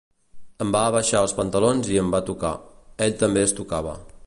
Em va abaixar els pantalons i em va tocar, ell també es tocava.